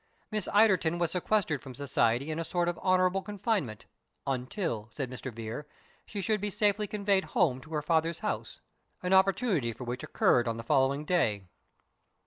Miss Ilderton was sequestered from society in a sort of honourable confinement, "until," said Mr. Vere, "she should be safely conveyed home to her father's house," an opportunity for which occurred on the following day.